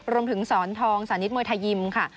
รวมถึงสอนทองสานิทมวยไทยยิมค่ะ